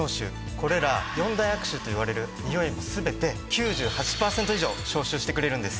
これら４大悪臭といわれるにおいも全て９８パーセント以上消臭してくれるんです。